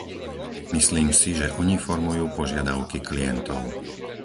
Myslím si, že oni formujú požiadavky klientov.